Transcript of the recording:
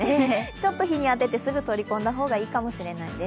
ちょっと日に当ててすぐに取り込んだ方がいいかもしれないです。